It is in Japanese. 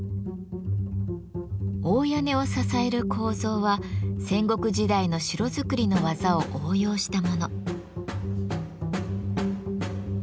大屋根を支える構造は戦国時代の城造りの技を応用したもの。